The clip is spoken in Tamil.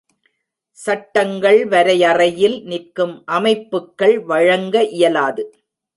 சட்டங்கள் வரையறையில் நிற்கும் அமைப்புக்கள் வழங்க இயலாது.